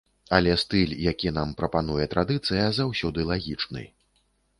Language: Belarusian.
Але стыль, які нам прапануе традыцыя, заўсёды лагічны.